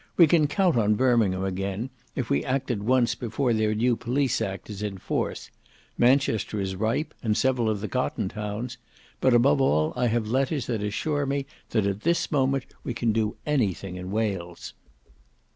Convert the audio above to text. We can count on Birmingham again, if we act at once before their new Police Act is in force; Manchester is ripe; and several of the cotton towns; but above all I have letters that assure me that at this moment we can do anything in Wales."